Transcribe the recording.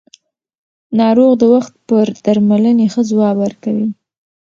ناروغ د وخت پر درملنې ښه ځواب ورکوي